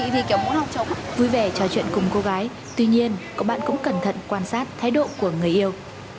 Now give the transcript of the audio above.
vui vẻ trò chuyện cùng cô gái tuy nhiên cậu bạn cũng cẩn thận quan sát thái độ của người yêu